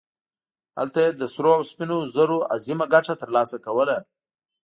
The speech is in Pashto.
هلته یې له سرو او سپینو زرو عظیمه ګټه ترلاسه کوله.